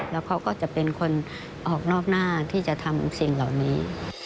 แล้วเขาก็จะเป็นคนออกนอกหน้าที่จะทำสิ่งเหล่านี้